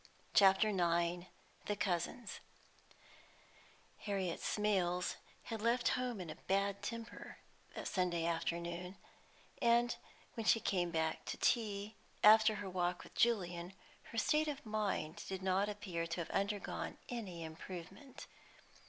CHAPTER IX THE COUSINS Harriet Smales had left home in a bad temper that Sunday afternoon, and when she came back to tea, after her walk with Julian, her state of mind did not appear to have undergone any improvement.